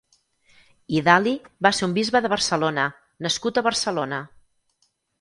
Idali va ser un bisbe de Barcelona nascut a Barcelona.